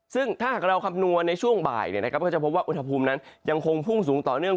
ซึ่งถ้าหากเราคำนวณในช่วงบ่ายก็จะพบว่าอุณหภูมินั้นยังคงพุ่งสูงต่อเนื่อง